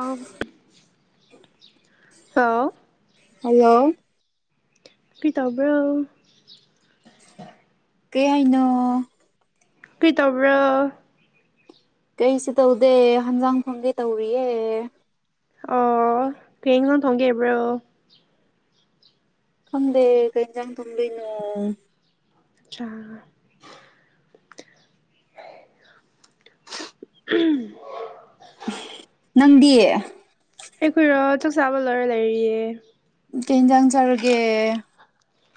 ꯑꯥꯎ hello hello ꯀ꯭ꯔꯤ ꯇꯧꯕ꯭ꯔꯣ ꯀꯩ ꯍꯥꯏꯅꯣ ꯀ꯭ꯔꯤ ꯇꯧꯕ꯭ꯔꯣ ꯀꯩꯁꯨ ꯇꯧꯗꯦ ꯍꯟꯖꯥꯡ ꯊꯣꯡꯒꯦ ꯇꯧꯔꯤꯌꯦ ꯑꯣ ꯀꯩꯉꯣ ꯊꯣꯡꯒꯦꯕ꯭ꯔꯣ ꯈꯪꯗꯦ ꯀꯩ ꯏꯟꯖꯥꯡ ꯊꯣꯡꯗꯣꯏꯅꯣ ꯆꯥꯔꯣꯏ [unintelligible] ꯅꯪꯗꯤ ꯑꯩꯈꯣꯏꯔꯣ ꯆꯥꯛꯆꯥꯕ ꯂꯣꯏꯔ ꯂꯩꯔꯤꯌꯦ ꯀꯩ ꯏꯟꯖꯥꯡ ꯆꯥꯔꯒꯦ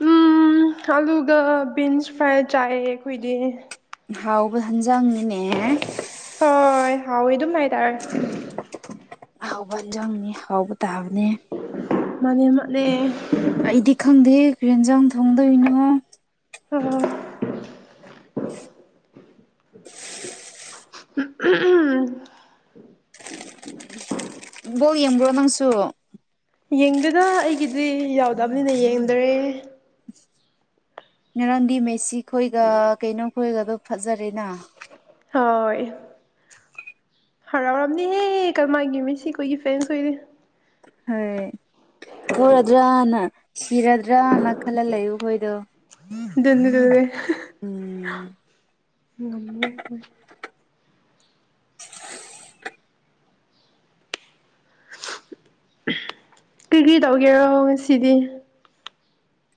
ꯎꯝ ꯑꯂꯨꯒ ꯕꯤꯟꯁ ꯐ꯭ꯔꯥꯏ ꯆꯥꯏꯌꯦ ꯈꯣꯏꯗꯤ ꯍꯥꯎꯕ ꯍꯤꯟꯖꯥꯡꯅꯤꯅꯦ ꯍꯣꯏ ꯍꯥꯎꯋꯦ ꯗꯨꯝ ꯍꯥꯏꯇꯥꯔꯦ ꯑꯍꯥꯎꯕ ꯍꯦꯟꯖꯥꯡꯅꯤ ꯍꯥꯎꯕ ꯇꯥꯕꯅꯦ ꯃꯥꯟꯅꯤ ꯃꯠꯅꯦ ꯑꯩꯗꯤ ꯈꯪꯗꯦꯌꯦ ꯀꯔꯤ ꯍꯦꯟꯖꯥꯡ ꯊꯣꯡꯗꯣꯏꯅꯣ [unintelligible] ꯕꯣꯜ ꯌꯦꯡꯕ꯭ꯔꯣ ꯅꯪꯁꯨ ꯌꯦꯡꯗꯦꯗ ꯑꯩꯒꯤꯗꯤ ꯌꯥꯎꯗꯝꯅꯤꯅ ꯌꯦꯡꯗꯔꯦ ꯉꯔꯥꯡꯗꯤ ꯃꯦꯁꯤ ꯈꯣꯏꯒ ꯀꯩꯅꯣ ꯈꯣꯏꯒꯗꯣ ꯐꯖꯔꯦꯅꯥ ꯍꯣꯏ ꯍꯔꯥꯎꯔꯝꯅꯤꯍꯦ ꯀꯔꯃꯥꯏꯒꯤ ꯃꯦꯁꯤ ꯈꯣꯏꯒꯤ ꯐꯦꯟꯁ ꯈꯣꯏꯗꯤ ꯍꯣꯏ ꯄꯣꯔꯗ꯭ꯔꯅ ꯁꯤꯔꯗ꯭ꯔꯅ ꯈꯜꯂ ꯂꯩꯔꯨꯈꯣꯏꯗꯣ [unintelligible] ꯎꯝ ꯉꯝꯒ꯭ꯔꯦ ꯀ꯭ꯔꯤ ꯀ꯭ꯔꯤ ꯇꯧꯒꯦꯔꯣ ꯉꯁꯤꯗꯤ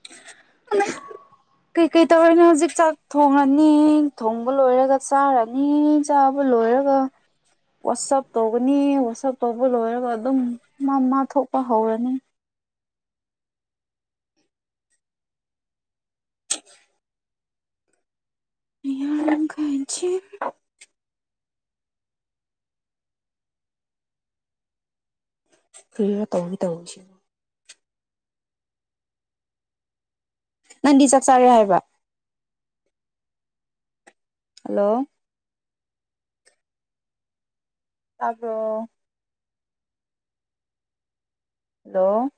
[inaudible] ꯀꯩꯀꯩ ꯇꯧꯔꯤꯅꯣ ꯍꯧꯖꯤꯛ ꯆꯥꯛ ꯊꯣꯡꯉꯅꯤ ꯊꯣꯡꯕ ꯂꯣꯏꯔꯒ ꯆꯥꯔꯅꯤ ꯆꯥꯕ ꯂꯣꯏꯔꯒ ꯋꯥꯆꯞ ꯇꯧꯒꯅꯤ ꯋꯥꯆꯞ ꯇꯧꯕ ꯂꯣꯏꯔꯒ ꯑꯗꯨꯝ ꯃꯥ ꯃꯥ ꯊꯣꯛꯄ ꯍꯧꯔꯅꯤ [unintelligible] ꯀꯔꯤꯔ ꯇꯧꯒ ꯇꯧꯕꯁꯤ ꯅꯪꯗꯤ ꯆꯥꯛ ꯆꯥꯔꯦ ꯍꯥꯏꯕ ꯍꯜꯂꯣ ꯇꯥꯕ꯭ꯔꯣ ꯂꯣ